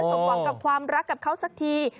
ถูกใจแล้วก็ได้สังความกับความรักกับเขาสักที